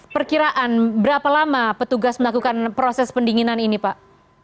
perkiraan berapa lama petugas melakukan proses pendinginan ini pak